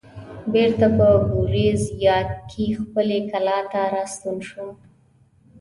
بېرته په ګوریزیا کې خپلې کلا ته راستون شوم.